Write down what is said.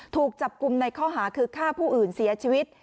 ถูกจับกลุ่มในข้อหาคือฆ่าผู้อื่นเสียชีวิต